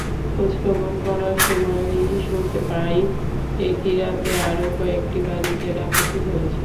খোঁজখবর করার সময়ই শুনতে পাই, একই রাতে আরও কয়েকটি বাড়িতে ডাকাতি হয়েছে।